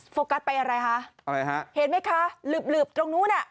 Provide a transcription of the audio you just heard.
โฟกัสไปอะไรฮะเห็นไหมคะหลืบตรงนู้น